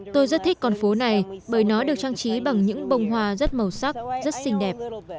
tôi rất thích con phố này bởi nó được trang trí bằng những bông hoa rất màu sắc rất xinh đẹp